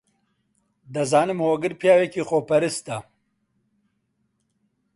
دەزانم هۆگر پیاوێکی خۆپەرستە.